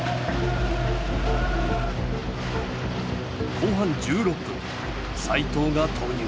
後半１６分齋藤が投入。